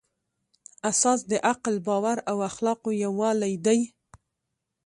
اساس د عقل، باور او اخلاقو یووالی دی.